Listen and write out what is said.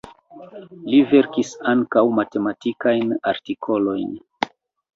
Li verkis ankaŭ matematikajn artikolojn.